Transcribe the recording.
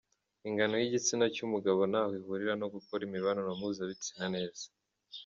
Ingano y’igitsina cy’umugabo ntaho ihurira no gukora imibonano mpuzabitsina neza